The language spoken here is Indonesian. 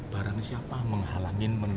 barang siapa menghalangi